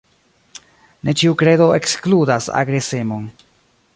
Ne ĉiu kredo ekskludas agresemon.